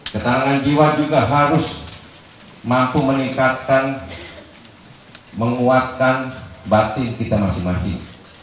ketangan jiwa juga harus mampu meningkatkan menguatkan batin kita masing masing